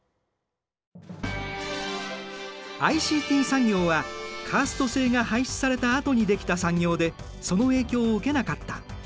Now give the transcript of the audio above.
ＩＣＴ産業はカースト制が廃止されたあとに出来た産業でその影響を受けなかった。